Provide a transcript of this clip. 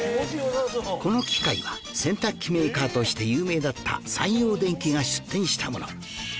この機械は洗濯機メーカーとして有名だった三洋電機が出展したもの